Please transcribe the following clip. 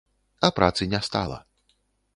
А працы не стала.